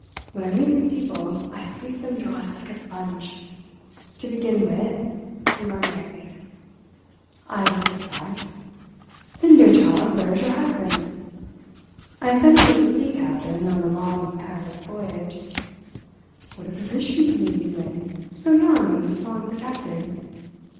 When I meet new people I squeeze them dry like a sponge. To begin with—you are married." I admitted the fact. "Then, dear child, where is your husband?" I said he was a sea captain on a long and perilous voyage. "What a position to leave you in—so young and so unprotected."